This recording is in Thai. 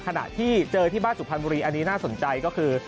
ขณะที่เจอที่บ้านสุพรรณบุรีอันนี้น่าสนใจก็คือ